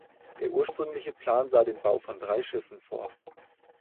Der ursprüngliche Plan sah den Bau von drei Schiffen vor.